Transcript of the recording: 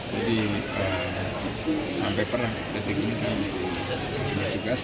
jadi sampai pernah dari kini saya masih bertugas